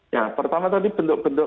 ya pertama tadi bentuk bentuk